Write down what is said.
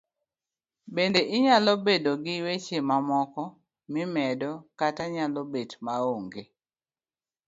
Bende inyalo bedo n gi weche mamoko mimedo kata nyalo bet ma onge.